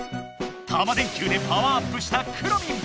タマ電Ｑでパワーアップしたくろミン！